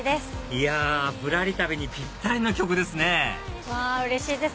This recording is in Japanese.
いやぶらり旅にぴったりの曲ですねうれしいです！